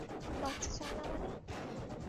বাচ্চা চান না মানে?